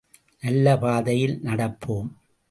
நல்ல பாதையில் நடப்போம்.